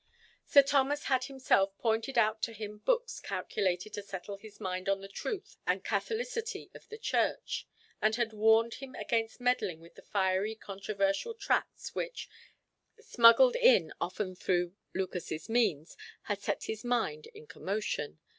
Sir Thomas had himself pointed out to him books calculated to settle his mind on the truth and catholicity of the Church, and had warned him against meddling with the fiery controversial tracts which, smuggled in often through Lucas's means, had set his mind in commotion.